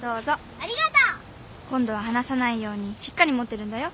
ありがとう！今度は離さないようにしっかり持ってるんだよ。